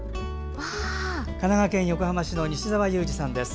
神奈川県横浜市の西澤優治さんです。